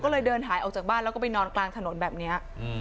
ก็เลยเดินหายออกจากบ้านแล้วก็ไปนอนกลางถนนแบบนี้